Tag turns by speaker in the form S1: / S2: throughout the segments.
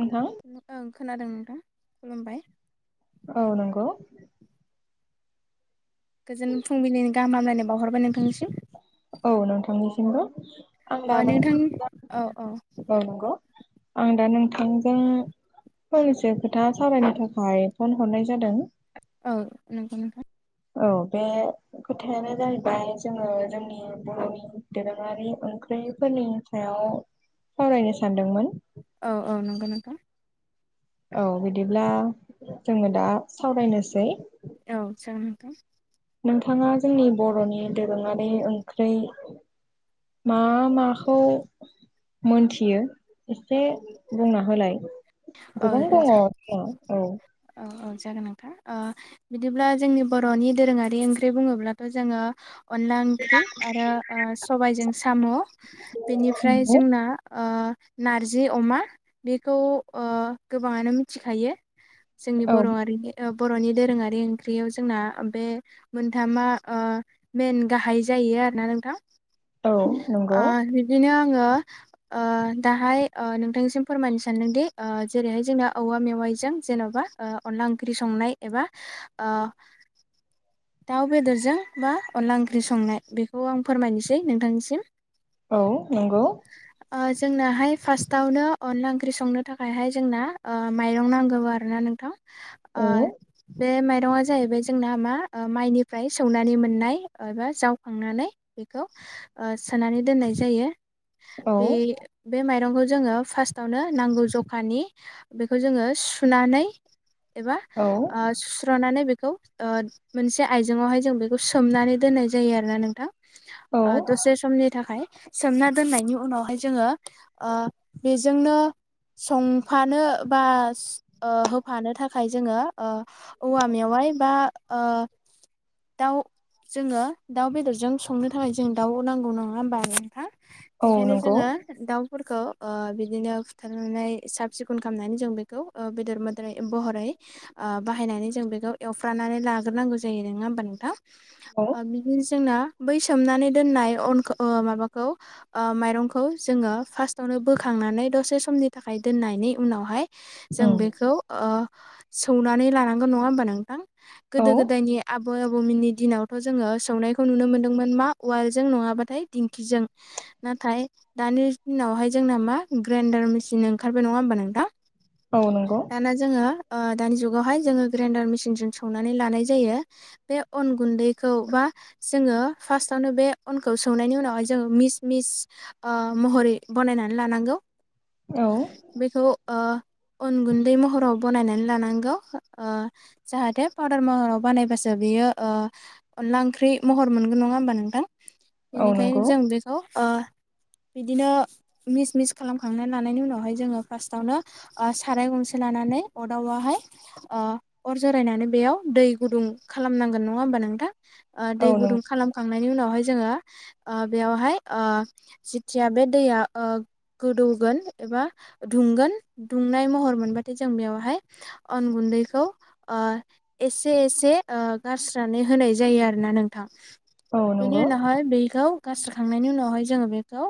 S1: नोंथां
S2: ओं खोनादों नोंथां खुलुमबाय।
S1: औ नंगौ।
S2: गोजोन फुंबिलिनि गाहाम हामलायनाय बावहरबाय नोंथांनिसम।
S1: औ नोंथांनिसिमबो आं
S2: ओ
S1: दा
S2: नोंथां
S1: नोंथांनि
S2: औ औ
S1: औ नंगौ। आं दा नोंथांजों फंनैसो खोथा सावरायनो थाखाय फन हरनाय जादों।
S2: औ नंगौ नोंथां।
S1: औ बे खोथायानो जाहैबाय जोङो जोंनि बर'नि दोरोङारि ओं ख्रिफोरनिनि सायाव सावरायनो सानदोंमोन।
S2: औ औ नंगौ नोंथां।
S1: औ बिदिब्ला जोङो दा सावरायनोसै।
S2: औ जागोन नोंथां।
S1: नोंथाङा जोंनि बर'नि दोरोङारि ओंख्रै। मा माखौ? मोनथियो एसे बुंना होलाय। गोबां
S2: औ
S1: दङ औ।
S2: औ औ जागोन नोंथां बिदिब्ला जोंनि बर'नि दोरोङारि ओंख्रि बुङोब्लाथ' जोङो। अनला ओंख्रि आरो सबायजों साम' बेनिफ्राय
S1: नंगौ
S2: जोंना आ नारजि अमा बेखौ ओ गोबाङानो मिथिखायो। जोंनि
S1: औ
S2: बर' हारिनि। बर'नि दोरोङारि ओंख्रियाव जोंना बे मोनथामा मेन गाहाय जायो। आरोना नोंथां
S1: औ नंगौ
S2: बिदिनो आङो आ दाहाय नोंथांनिसिम फोरमायनो सान्दोंदि। जेरैहाय जोंना औवा मेवाइजों जेन'बा अनला ओंख्रि संनाय एबा आ। [inaudible] दाउ बेदरजों बा अनला ओंख्रि संनाय बेखौ आं फोरमायनोसै नोंथांनिसिम।
S1: औ नंगौ
S2: जोंनाहाय फार्स्टावनो अनला ओंख्रि संनो थाखायहाय जोंना माइरं नांगौ आरो ना नोंथां।
S1: औ
S2: बे ओ माइरंआ जाहैबाय जोंना मा? माइनिफ्राय सौनानै मोननाय एबा जावखांनानै बेखौ सोनानै दोननाय जायो
S1: औ
S2: बे बे माइरंखौ। जोङ फार्सटावनो नांगौ जखानि बेखौ जोङो सुनानै एबा
S1: औ
S2: सुस्र'नानै बेखौ।। मोनसे आयजेंआवहाय जों बेखौ सोमनानै दोननाय जायो आरो ना नोंथां।
S1: औ
S2: दसे समनि थाखाय सोमना दोननायनि उनावहाय जोङो आ बेजोंनो। संफानो बा आ होफानो थाखाय जोङो औवा मेवा इबा ओ दाउ जोङो दाउ बेदरजों संनो थाखाय जों दाउ नांगौ नङा होमबा आरो थां
S1: औ
S2: बेखायनो
S1: नंगौ
S2: जोङो दाउफोरखौ बिदिनो फुथारनानै साफ सिखोन खालामनानै जों बेखौ बेदर मदरै महरै बाहायनानै जों बेखौ एवफ्रानानै ला ग्रोनांगौ जायो नङा होमबा नोंथां
S1: औ
S2: आ बिदिनो जोंना बै [unintelligible] सोनानै दोननाय माबाखौ माइरंखौ जों फार्सट आवनो बोखांनानै दसे समनि थाखाय दोननायनि उनावहाय जों
S1: उम
S2: बेखौ सौनानै लानांगौ नङा होमबा नोंथां
S1: औ
S2: गोदो गोदायनि आबौ आबौमोननि दिनावथ' जोङो सौनायखौ नुनो मोन्दोंमोन मा उवालजों नङाबाथाय दिंखिजों नाथाय दानि दिनावहाय जोंना मा ग्राइनडार मेसिन ओंखारबाय नङा होमबा नोंथां?
S1: औ नंगौ
S2: दाना जोङो दानि जुगावहाय जोङो ग्रेइनडार मेसिनजों सौ- -नानै‌ लानाय जायो। बे अन‌ गुन्दैखौ बा जोङो फार्सटावनो बे अनखौ सौ नायनि उनावहाय जोंङो मिस मिस महरै बनायनानै लानांगौ।
S1: औ
S2: बेखौ अन गुन्दै महराव बनायनानै लानांगौ। जाहाथे पाउदार महराव बानायबासो बियो अनला ओंख्रि महर मोनगोन नङा होमबा नोंथां?
S1: औ नंगौ
S2: बेनिखायनो जों बेखौ बिदिनो मिस मिस खालामखांनानै लानायनि उनावहाय जोङो फार्स्टआवनो साराय गंसे लानानै अदाबावहाय ओ अर जरायनानै बेयाव दै गुदुं खालामनांगोन नङा होमबा नोंथां ओ
S1: औ
S2: दै
S1: नंगौ
S2: गुदुं खालामखां नायनि उनावहाय जोङो ओ बेयावहाय ओ जेथिया बे दैया गोदौ एबा दुंगोन दुंनाय महर मोनबाथाय जों बेयावहाय अन गुन्दैखौ एसे एसे गारस्रोनानै होनाय जायो आरोना नोंथां।
S1: औ
S2: बेनि
S1: नंगौ
S2: उनावहाय बेखौ गारस्रोखांनायनि उनावहाय जोङो बे खौ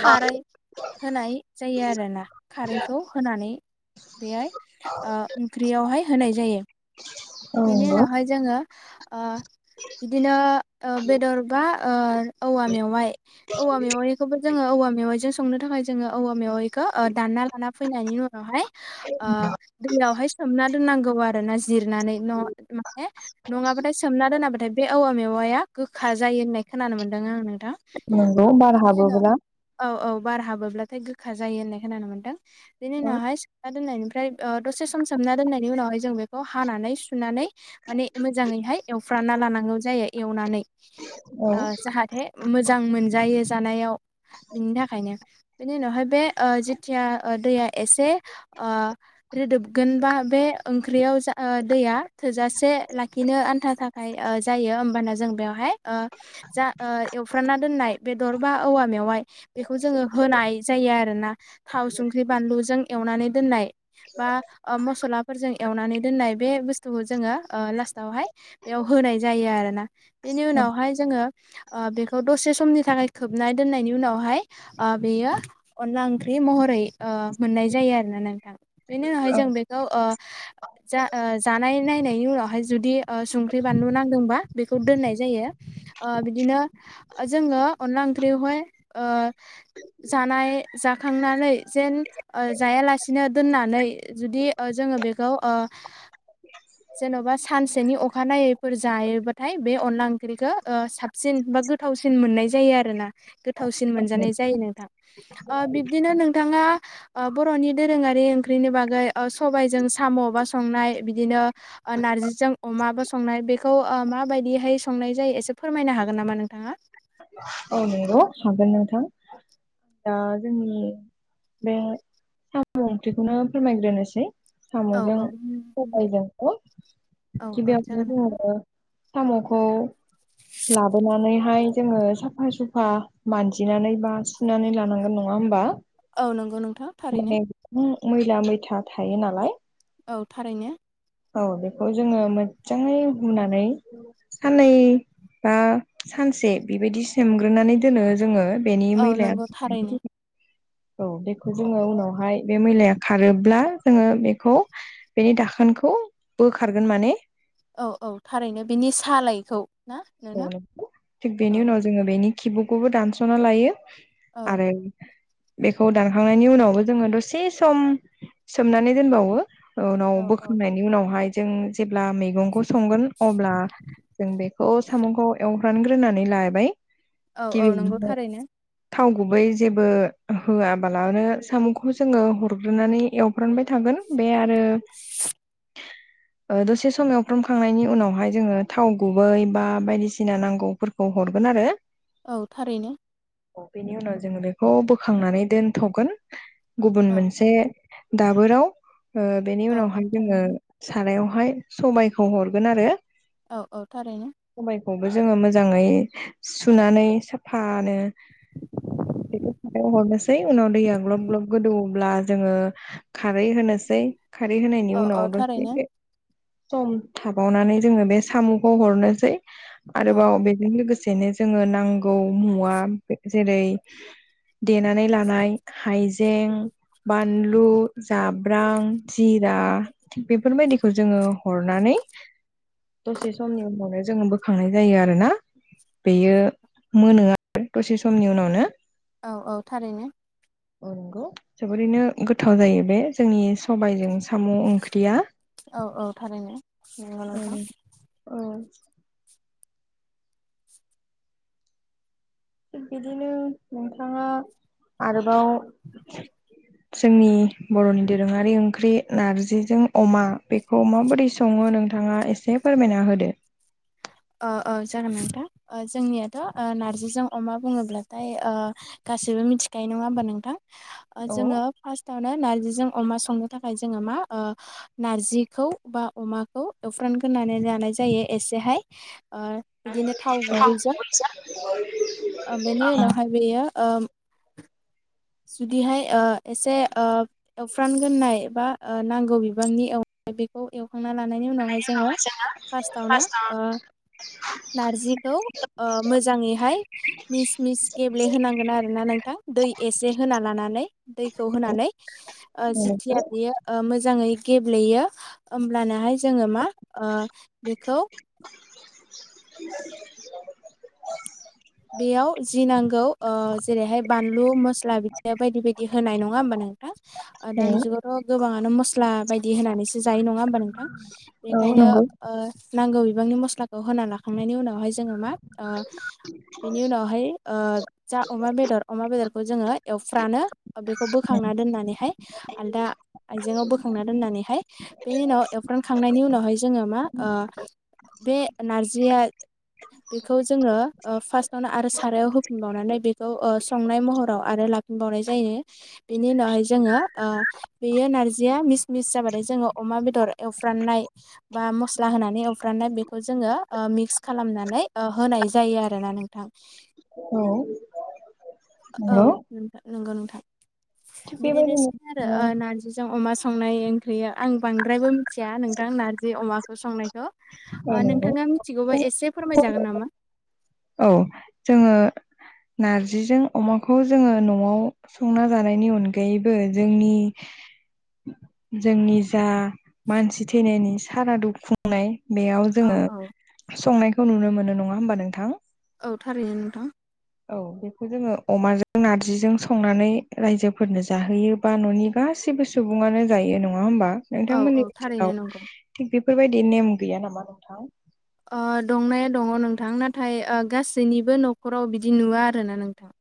S2: खारै होनाय जायो आरो ना खारैखौ होनानै बेहाय ओंख्रियावहाय होनाय जायो।
S1: औ
S2: बेनि
S1: नंगौ
S2: उनावहाय जोङो बिदिनो बेदर बा औवा मेवाइ औवा मेवाइखौबो जोङो औवा मेवाइजों संनो थाखाय जोङो औवा मेवाइखौ दानना लाना फैनायनि उनाव दैयाव सना दनांगौ आरो ज जिरनानै माने नङाबाथाय सोमना दोनाबाथाय। ओमफाय बे औवा मेवाया गोखा जायो होननाय खोनानो मोनदों आङो।
S1: नंगौ बार हाबोब्ला
S2: [unintelligible] औ औ बार हाबोब्लाथाय गोखा जायो होननाय खोनानो मोनदों। बेनि
S1: औ
S2: उनावहाय सोमना दोननायनिफ्राय दसे सम सोमना दोननायनि उनावहाय जों बे खौ हानानै सुनानै माने मोजाङैहाय एवफ्रामना लानांगौ जायो एवनानै
S1: औ
S2: जाहाथे मोजां मोनजायो जानायाव बिनि थाखायनो बेनि उनावहाय बे जिथिया दैया एसे रोदोबगोन बा बे ओंख्रियाव जा दैया थोजासे लाखिनो आन्था थाखाय जायो होमबाना जों बेयावहाय जा एवफ्रामना दोननाय बेदर बा औवा मेवाइ बेखौ जोङो होनाय जायो आरोना थाव संख्रि बानलुजों एवनानै दोननाय बा मसलाफोरजों एवनानै दोननाय बे बुस्थुखौ जोङो लास्टावहाय बेयाव होनाय जायो आरोना बेनि
S1: औ
S2: उनावहाय जोङो बेखौ दसे समनि थाखाय खोबना दोननायनि उनावहाय बेयो अनला ओंख्रि महरै मोननाय जायो आरोना नोंथां बेनि उनावहाय
S1: औ
S2: जों बेखौ जा जानाय नायनायनि उनावहाय जुदि संख्रि बानलु नांदोंबा बेखौ दोननाय जायो। ओ बिदिनो जोङो अनला ओंख्रियावहाय ओ जानाय जाखांनानै जेन जायालासिनो दोननानै जुदि जोङो बेखौ ओ जेन'बा सानसेनि अखानायैफोर जायोबाथाय बे अनला ओंख्रिखौ ओ साब- -सिन बा गोथावसिन मोननाय जायो आरो ना। गोथावसिन मोनजानाय जायो नोंथां ओ बिब्दिनो नोंथाङा ओ बर'नि दोरोङारि ओंख्रिनि बागै सबायजों साम'बा संनाय बिदिनो नारजिजों अमाबा संनाय बेखौ माबायदिहाय सं- -नाय जायो‌ एसे फोरमायनो हागोन नामा नोंथाङा?
S1: औ नंगौ हागोन नोंथां। दा जोंनि बे साम' ओंख्रिखौनो फोरमायग्रोनोसै। साम
S2: औ
S1: जों
S2: औ
S1: सबायजोंखौ
S2: औ औ जागोन नोंथां।
S1: साम'खौ लाबोनानैहाय जोङो सा साफा सुफा मानजिनानै बा सुनानै लानांगोन नङा होमबा?
S2: औ नंगौ नोंथां थारैनो।
S1: माने गोबां मैला मैथा थायो नालाय।
S2: औ थारैनो।
S1: औ बेखौ जोङो मोजाङै हुनानै साननै बा सानसे बेबायदि सोमग्रोनानै दोनो। जोङो बेनि
S2: औ
S1: मैलाया
S2: नंगौ थारैनो
S1: औ बेखौ जोङो उनावहाय बे मैलाया खारोब्ला जोङो बेखौ बेनि दाखोन खौ बोखारगोन माने
S2: औ औ थारैनो बेनि सालायखौ ना
S1: औ
S2: नोंथां
S1: थिग बेनि
S2: औ
S1: उनाव जोङो बेनि किबुकखौबो दानस'ना लायो।
S2: औ
S1: आरो बेखौ दानखांनायनि उनावबो जोङो दसे सम सोमनानै दोनबावो। उनाव
S2: औ औ
S1: बोखांनायनि उनावहाय जों जेब्ला मैगंखौ संगोन अब्ला जों बे खौ साम'खौ एवग्रानग्रोनानै लाबाय
S2: औ औ नंगौ
S1: गिबियावनो
S2: थारैनो।
S1: थाव गुबै जेबो होआबालानो साम'खौ जोङो हरग्रोनानै एवफ्रानबाय थागोन बे आरो दसे सम एवफ्रामखांनायनि उनावहाय जोङो थाव गुबै बा बायदिसिना नांगौफोरखौ हरगोन आरो।
S2: औ थारैनो।
S1: बेनि उनाव जोङो बेखौ बोखांनानै दोनथ'गोन गुबुन
S2: औ
S1: मोनसे
S2: औ
S1: दाबोराव बेनि
S2: औ औ
S1: उनावहाय जोङो
S2: थारैनो
S1: सारायाव हाय सबबायखौ हरगोन आरो।
S2: औ औ थारैनो।
S1: सबायखौबो जोङो मोजाङै सुनानै साफानो बेखौ खारायाव हरनोसै उनाव दैया ग्लब ग्लब गोदौब्ला जोङो खारै होनोसै। खारै होनायनि
S2: औ औ
S1: उनाव
S2: थारैनो
S1: सम थाबावनानै जोङो बे साम'खौ हरनोसै
S2: औ
S1: आरोबाव
S2: औ
S1: बेजों लोगोसे एसेनो जोङो नांगौ मुवा जेरै देनानै लानाय हाइजें बानलु जाब्रां जिरा थिग बेफोरबायदिखौ जोङो हरनानै
S2: [inaudible]
S1: दसे समनि उनावनो जोङो बोखांनाय जायो आरोना बेयो मोनो आरो दसे समनि उनावनो
S2: औ औ थारैनो
S1: औ नंगौ जोबोरैनो गोथाव जायो बे जोंनि सबाइजों साम' ओंख्रिया
S2: औ औ थारैनो नंगौ
S1: औ
S2: नोंथां
S1: औ थिग बिदिनो नोंथाङा आरोबाव जोंनि बर'नि दोरोङारि ओंख्रि नारजिजों अमा बेखौ माबोरै सं सङो नोंथांआ एसे फोरमायना होदो
S2: ओ ओ जागोन नोंथा ओ जोंनिआथ' ओ नारजिजों अमा बुङोब्लाथाय ओ गासिबो मिथिखायो नङा हबा नोंथां
S1: औ
S2: जोङो फासत आवनो नारजिजों अमा संनो थाखाय जोङो मा ओ नारजिखौ बा अमाखौ एवफ्रामग्रोनानै लानाय जायो एसेहाय बिदिनो थाव
S1: औ
S2: गुबैजों ओ बेनि उनावहाय बेयो ओ जुदिहाय ओ एसे ओ एवफ्रानगोननाय बा नांगौ बिबांनि बेखौ एवखांना लानायनि उनावहाय जोङो फासतावनो ओ नारजिखौ ओ मोजाङैहाय मिस मिस गेब्लेहोनांगोन आरो ना नोंथां दै एसे होना लानानै दैखौ होनानै ओ
S1: नंगौ
S2: जेथिआ बेयो ओ मोजाङै गेब्लेयो ओमब्लानाहाय जोङो मा बेखौ
S1: [inaudible]
S2: बेयाव जि नांगौ ओ जेरैहाय बानलु मस्ला बिदिनो बायदि बायदि होनाय नङा होमबा नोंथां नोंथां ओ
S1: औ
S2: दानि जुगावथ' गोबांआनो मसला बाय बिदि होनानैसो जायो नङा ओमबा नोंथां
S1: औ
S2: बेनिखायनो
S1: नंगौ
S2: ओ नांगौ बिबांनि मस्लाखौ होना ला खांनायनि उनावहाय जोहा मा ओ बेनि उनावहाय ओ जा अमा बेदर अमा बेदरखौ जोङो एवफ्रानो बेखौ बोखांना दोननानैहाय आलदा आइजेंआव बोखांना दोननानैहाय बेनि उनाव एव्रांखांनायनि उनावहाय जोङो मा ओ बे नारजिआ बेखौ जोङो ओ फासत आरो सारायाव होफिनबावनानै बेखौ ओ संनाय महराव आरो लाफिनबावनाय जायो हो बेनि उनावहाय जोङो ओ बेयो नारजिया मिस मिस जाबाथाय जोङो अमा बेदर एवफ्राननाय बा मस्ला होनानै एवफ्राननाय बेखौ जोङो ओ मिक्स खालामनानै ऐ होनाय नाय जायो आरोना नोंथां
S1: औ
S2: औ
S1: नंगौ
S2: नोंथां नंगौ नोंथां
S1: थिग
S2: बिदिनो
S1: बेबायदिनो
S2: सै आरो
S1: ओ
S2: नारजिजों अमा संनाय ओंख्रिआ आं बांद्रायबो मिथिया नोंथां नारजि अमाखौ संनायखौ
S1: औ
S2: ओ
S1: नंगौ
S2: नोंथांआ मिथिगौबा एसे फोरमायजागोन नामा?
S1: औ जोङो नारजिजों अमाखौ जोङो नवाव संना जानायनि अनगायैबो जोंनि जोंनि जा मानसि थैनायनि सारादु खुंनाय बेआव
S2: औ
S1: जोङो
S2: औ
S1: संनाय खौ नुनो मोनो नङा होमबा नोंथां
S2: औ थारैनो नोंथां
S1: औ बेखौ जोङो अमाजों नारजिजों संनानै रायजोफोरनो जाहोयोबा न'निबा गासिबो सुबुंआनो जायो नङा होमबा
S2: औ औ
S1: नोंथांमोननि
S2: थारैनो
S1: गेजेराव
S2: नंगौ
S1: थिग बेफोरबादि नेम गैया नामा नोंथां
S2: ओ दंनाया दङ नोंथां नाथाय ओ गासैनिबो न'खराव बिदि नुवा आरोना नोंथां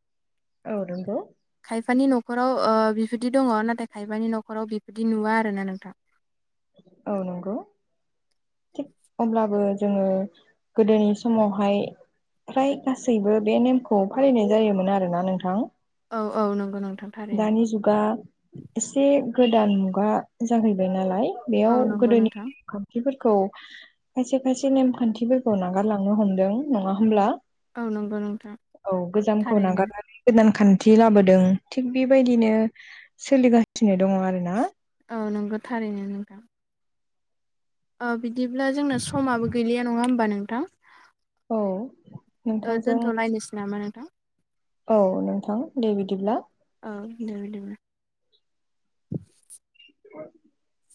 S1: औ नंगौ
S2: खायफानि न'खराव ओ बिफदि दङ नाथाय खायफानि न'खराव बिबदि नुवा आरोना नोंथां
S1: औ नंगौ थिग अब्लाबो जोङो गोदोनि समावहाय फ्राय गासैबो बे नेमखौ फालिनाय जायोमोन आरोना नोंथां
S2: औ औ नोंगौ नोंथां थारैनो
S1: दानि जुगा एसे गोदान मुगा जाहैबाय नालाय
S2: औ
S1: बेयाव
S2: नंगौ
S1: गोदोनि
S2: नोंथां
S1: खान्थिफोर खौ खायसे खायसे नेमखान्थिफोरखौ नागारलांनो हमदों नङा होमब्ला?
S2: औ नंगौ नोंथां
S1: औ गोजामखौ
S2: थारैनो
S1: नागारनानै गोदान खान्थि लाबोदों थिग बिबादिनो सोलिगासिनो दङ आरोना
S2: औ नोंगौ थारैनो नोंथां ओ बिदिब्ला जोंना समाबो गैलिया नङा होमबा नोंथां?
S1: औ
S2: ओ
S1: नोंथांजों
S2: दोनथ'लायनोसै नामा नोंथां।
S1: औ नोंथां दे बिदिब्ला।
S2: औ दे बिदिब्ला।
S1: [inaudible]